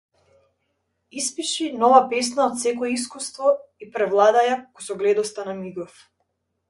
Испиши нова песна од секое искуство и превладај ја кусогледоста на мигов.